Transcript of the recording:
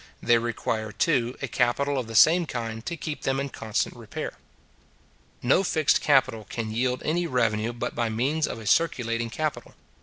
They require, too, a capital of the same kind to keep them in constant repair. No fixed capital can yield any revenue but by means of a circulating capital.